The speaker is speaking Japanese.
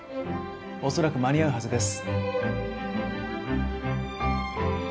恐らく間に合うはずです。